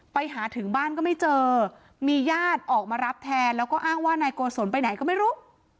ไปถึงบ้านก็ไม่เจอมีญาติออกมารับแทนแล้วก็อ้างว่านายโกศลไปไหนก็ไม่รู้